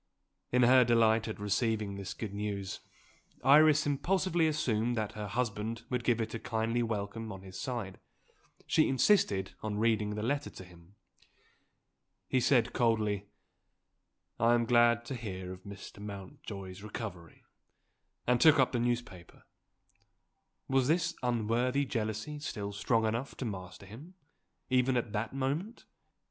In her delight at receiving this good news Iris impulsively assumed that her husband would give it a kindly welcome on his side; she insisted on reading the letter to him. He said coldly, "I am glad to hear of Mr. Mountjoy's recovery" and took up the newspaper. Was this unworthy jealousy still strong enough to master him, even at that moment?